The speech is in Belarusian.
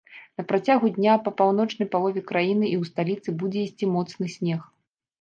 На працягу дня па паўночнай палове краіны і ў сталіцы будзе ісці моцны снег.